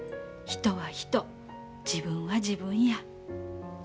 人は人自分は自分や。